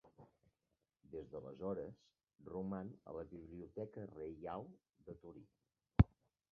Des d'aleshores, roman a la Biblioteca Reial de Torí.